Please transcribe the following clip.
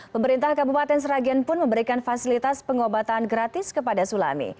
pemerintah kabupaten sragen pun memberikan fasilitas pengobatan gratis kepada sulami